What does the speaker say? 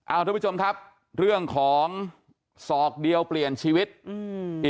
เอาทุกผู้ชมครับเรื่องของศอกเดียวเปลี่ยนชีวิตอืม